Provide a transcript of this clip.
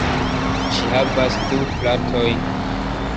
Ŝi havas du fratojn.